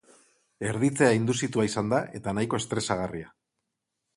Erditzea induzitua izan da, eta nahiko estresagarria.